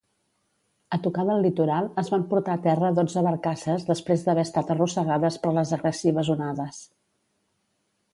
A tocar del litoral, es van portar a terra dotze barcasses després d'haver estat arrossegades per les agressives onades.